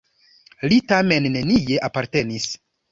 Li tamen nenie apartenis.